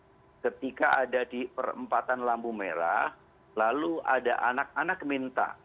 karena ketika ada di perempatan lampu merah lalu ada anak anak minta